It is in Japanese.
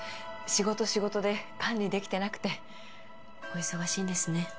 仕事仕事で管理できてなくてお忙しいんですね